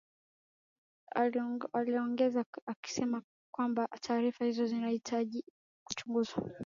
aliongeza akisema kwamba taarifa hizo zinahitaji kuchunguzwa